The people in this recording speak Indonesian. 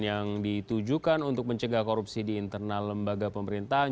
yang ditujukan untuk mencegah korupsi di internal lembaga pemerintahan